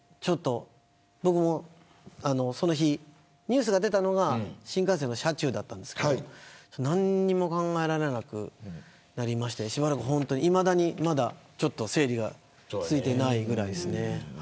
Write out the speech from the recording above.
ニュースが出たのが新幹線の車中だったんですけど何も考えられなくなりましていまだに整理がついてないぐらいです。